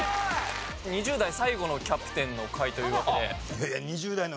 ２０代最後のキャプテンの回という事で。